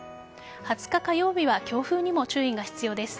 ２０日火曜日は強風にも注意が必要です。